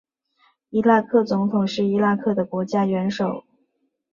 伊拉克总统是伊拉克的国家元首。